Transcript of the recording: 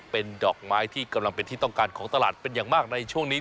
เป็นดอกไม้ที่กำลังเป็นที่ต้องการของตลาดเป็นอย่างมากในช่วงนี้